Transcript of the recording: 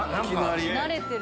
慣れてる。